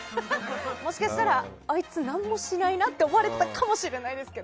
もしかしたらあいつ、何もしないなと思われてたかもしれないですけど。